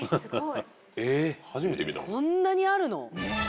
こんなにあるの？